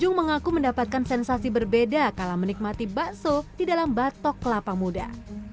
pengunjung mengaku mendapatkan sensasi berbeda kalau menikmati bakso di dalam batok kelapa muda